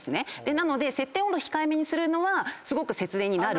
なので設定温度控えめにするのはすごく節電になる。